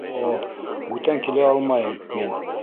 — Һо-о-о. Бүтән килә алмайым мин...